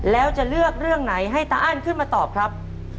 แล้วจะเลือกเรื่องไหนให้ตาอ้านขึ้นมาตอบครับ